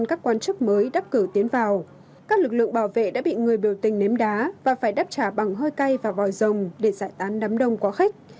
các lực lượng bảo vệ đã bị người biểu tình nếm đá và phải đáp trả bằng hơi cay và vòi rồng để giải tán đám đông quá khách